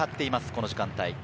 この時間帯。